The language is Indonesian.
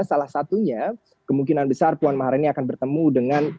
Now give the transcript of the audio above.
salah satunya kemungkinan besar puan maharani akan bertemu dengan